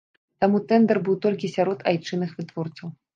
Таму тэндэр быў толькі сярод айчынных вытворцаў.